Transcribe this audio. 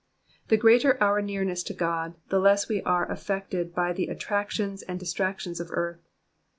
The greater our nearness to God, the less we are affected by the attractions and distractions of earth.